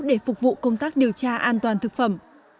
để phục vụ công tác điều tra an toàn thực phẩm